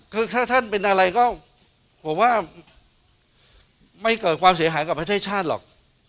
คือถ้าท่านเป็นอะไรก็ผมว่าไม่เกิดความเสียหายกับประเทศชาติหรอก